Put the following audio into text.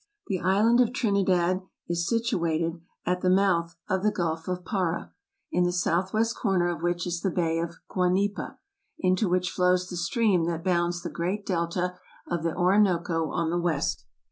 The island of Trinidad is situated at the mouth of the 47 48 TRAVELERS AND EXPLORERS Gulf of Para, in the southwest corner of which is the Bay of Guanipa, into which flows the stream that bounds the great delta of the Orinoco on the west.